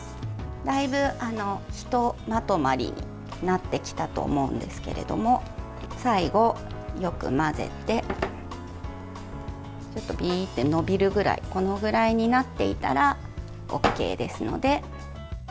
だいぶ、ひとまとまりになってきたと思うんですけど最後、よく混ぜてビーッとのびるぐらいこのぐらいになっていたらＯＫですので。